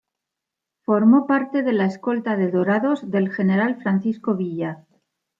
Formó parte de la escolta de "Dorados" del general Francisco Villa.